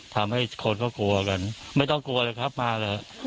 ทำให้คนก็กลัวกันไม่ต้องกลัวเลยครับมาเลย